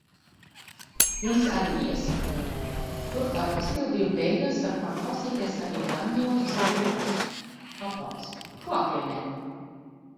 Jums arī iesaku. Turklāt izpildījuma beigās var paklausīties arī grandiozus aplausus. Aplausi. Klātienē.